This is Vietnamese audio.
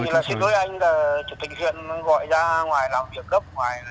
xin lỗi anh chủ tịch huyện gọi ra ngoài làm việc gấp ngoài